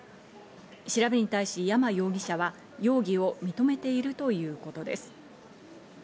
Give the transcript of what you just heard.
調べに対し山容疑者は容疑を認めているということです。